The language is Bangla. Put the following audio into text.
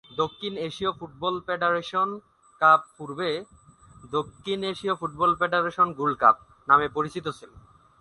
দক্ষিণ এশীয় ফুটবল ফেডারেশন কাপ পূর্বে "দক্ষিণ এশীয় ফুটবল ফেডারেশন গোল্ড কাপ" নামে পরিচিত ছিল।